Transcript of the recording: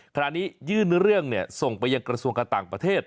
ขณะนี้ยื่นเรื่องส่งไปยังกระทรวงการต่างประเทศ